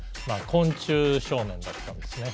昆虫少年だったんですね。